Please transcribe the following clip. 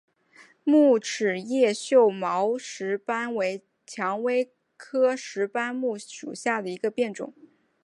木齿叶锈毛石斑为蔷薇科石斑木属下的一个变种。